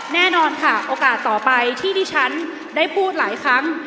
แน่นอนค่ะโอกาสต่อไปที่ที่ฉันได้พูดหลายครั้ง